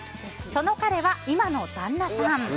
その彼は今の旦那さん。